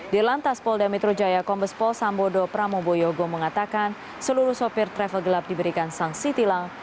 di lantas polda metro jaya kombes pol sambodo pramoboyogo mengatakan seluruh sopir travel gelap diberikan sanksi tilang